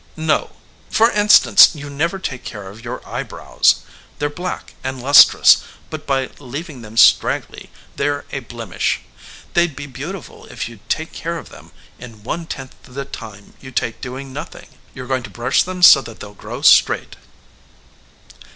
"No; for instance you never take care of your eyebrows. They're black and lustrous, but by leaving them straggly they're a blemish. They'd be beautiful if you'd take care of them in one tenth the time you take doing nothing. You're going to brush them so that they'll grow straight."